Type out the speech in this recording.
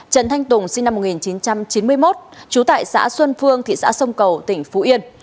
trần thanh tùng sinh năm một nghìn chín trăm chín mươi một trú tại xã xuân phương thị xã sông cầu tỉnh phú yên